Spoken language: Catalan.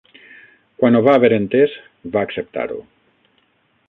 Quan ho va haver entès va acceptar-ho